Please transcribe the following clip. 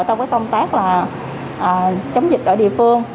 trong cái công tác chống dịch ở địa phương